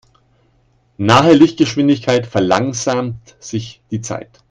Nahe Lichtgeschwindigkeit verlangsamt sich die Zeit.